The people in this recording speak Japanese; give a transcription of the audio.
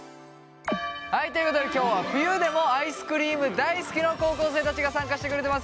はいということで今日は冬でもアイスクリーム大好きの高校生たちが参加してくれてます。